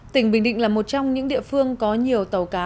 tỉnh bình định là một trong những địa phương có nhiều tàu cá